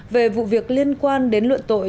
về vụ việc liên quan đến luận tội